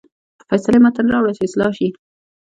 د فیصلې متن راوړه چې اصلاح شي.